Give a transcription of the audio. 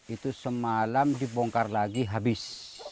itu semalam dibongkar lagi habis